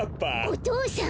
お父さん！